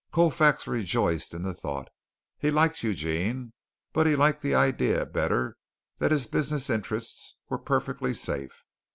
Colfax rejoiced in the thought. He liked Eugene, but he liked the idea better that his business interests were perfectly safe.